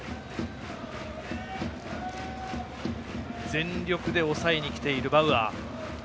全力で抑えにきているバウアー。